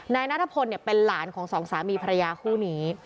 นายนัทพลเป็นหลานของสองสามีภรรยาคู่นี้